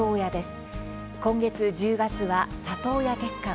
今月１０月は里親月間。